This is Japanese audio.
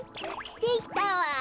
できたわ。